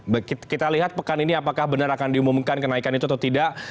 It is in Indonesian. baik kita lihat pekan ini apakah benar akan diumumkan kenaikan itu atau tidak